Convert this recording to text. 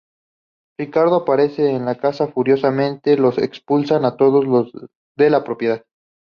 Riccardo aparece en la casa y furiosamente los expulsa a todos de la propiedad.